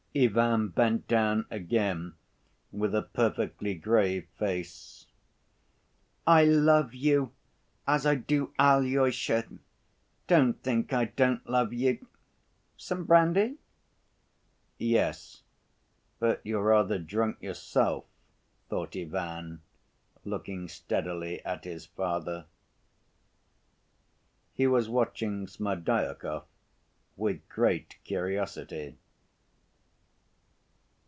Ivan bent down again with a perfectly grave face. "I love you as I do Alyosha. Don't think I don't love you. Some brandy?" "Yes.—But you're rather drunk yourself," thought Ivan, looking steadily at his father. He was watching Smerdyakov with great curiosity.